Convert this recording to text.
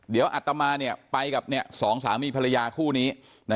เดี๋ยวอัตมาไปกับสองสามีภรรยาคู่นี้